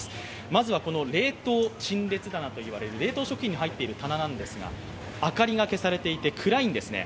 まずは冷凍陳列棚と言われる冷凍食品が入っている棚ですが、明かりが消されていて暗いんですね。